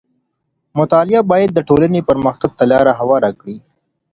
مطالعه بايد د ټولنې پرمختګ ته لار هواره کړي.